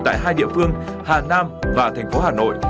tại hai địa phương hà nam và thành phố hà nội